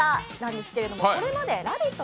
ですけれどもこれまで「ラヴィット！」